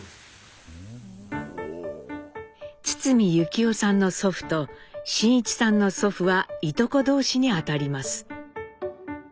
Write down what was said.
堤由紀夫さんの祖父と真一さんの祖父はいとこ同士にあたります。